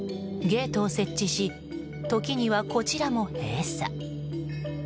ゲートを設置し時には、こちらも閉鎖。